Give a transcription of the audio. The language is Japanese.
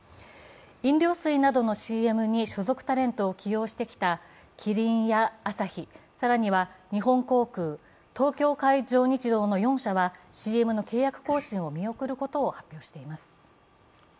飲料水などのＣＭに所属タレントを起用してきたキリンやアサヒ、更には日本航空、東京海上日動の４社はＣＭの契約更新を見送ることを発表しています。